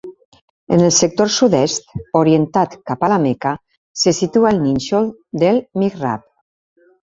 En el sector sud-est, orientat cap a La Meca, se situa el nínxol del mihrab.